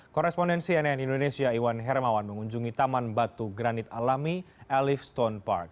korespondensi nn indonesia iwan hermawan mengunjungi taman batu granit alami elief stone park